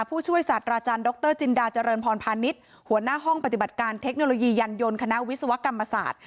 ผู้ช่วยศาสตราจารย์ดรจินดาเจริญพรพาณิชย์หัวหน้าห้องปฏิบัติการเทคโนโลยียันยนต์คณะวิศวกรรมศาสตร์